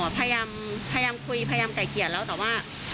พยายามพยายามคุยพยายามแตกเกียรติแล้วแต่ว่า